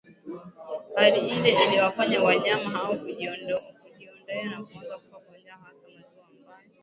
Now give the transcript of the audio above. Hali ile iliwafanya wanyama wao kujikondoea na kuanza kufa kwa njaa Hata maziwa ambayo